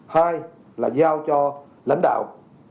hai là giao cho lãnh đạo